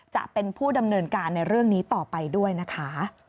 จะเป็นผู้ดำเนินการในเรื่องนี้ต่อไปด้วยนะคะ